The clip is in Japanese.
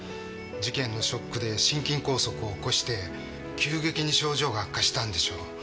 事件のショックで心筋梗塞を起こして急激に症状が悪化したのでしょう。